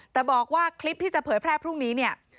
แต่บอกว่าคลิปที่จะเผยแพร่พรุ่งนี้เนี่ย